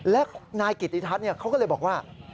และนายกิติทัศน์เขาก็เลยบอกว่า